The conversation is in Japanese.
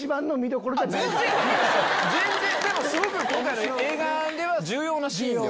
全然全然でもすごく今回の映画では重要なシーンでは。